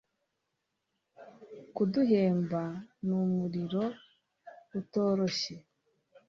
kuduhemba numuriro utyoroye